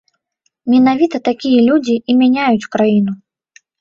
Менавіта такія людзі і мяняюць краіну.